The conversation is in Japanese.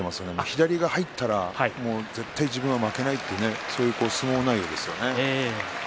左が入ったら絶対に自分は負けないという相撲内容ですよね。